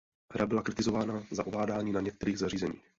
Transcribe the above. Hra byla kritizována za ovládání na některých zařízeních.